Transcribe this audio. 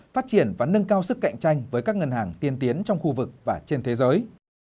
phát triển và nâng cao sức cạnh tranh với các ngân hàng tiên tiến trong khu vực và trên thế giới